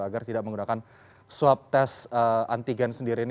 agar tidak menggunakan swab tes antigen sendiri ini